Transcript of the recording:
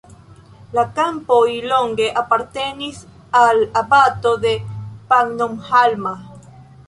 La kampoj longe apartenis al abato de Pannonhalma.